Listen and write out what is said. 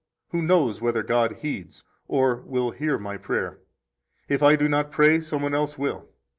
Who knows whether God heeds or will hear my prayer? If I do not pray, some one else will.